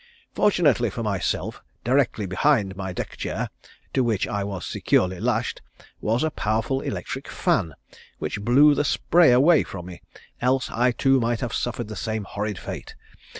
Fortunately for myself, directly behind my deck chair, to which I was securely lashed, was a powerful electric fan which blew the spray away from me, else I too might have suffered the same horrid fate.